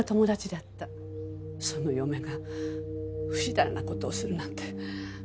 その嫁がふしだらな事をするなんて。